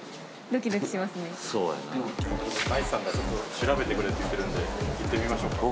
ナイツさんがちょっと調べてくれって言ってるんで行ってみましょうか。